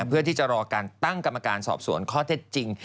เพื่อที่จะรอการตั้งกรรมการสอบสวนข้อเท็จจริง